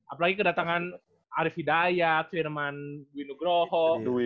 apalagi kedatangan arief hidayat firman winugroho